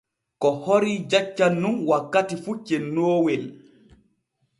Ko horii jaccan nun wakkati fu cennoowel.